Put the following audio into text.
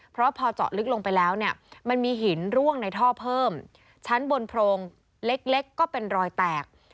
เพราะพอเจาะลึกลงไปแล้วเนี่ยมันมีหินร่วงในท่อเพิ่มชั้นบนโพรงเล็กก็เป็นรอยแตก